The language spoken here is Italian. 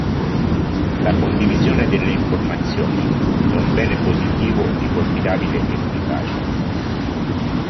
La condivisione delle informazioni è un bene positivo di formidabile efficacia.